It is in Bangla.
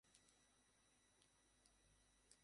তাই সরকারকে একটি লক্ষ্য নির্ধারণ করে কাজ শেষ করতে হবে।